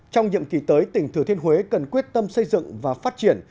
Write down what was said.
trong nhiệm kỳ tới tỉnh thừa thiên huế cần quyết tâm xây dựng và phát triển